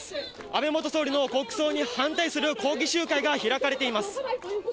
安倍元総理の国葬に反対する抗議集会が開かれています。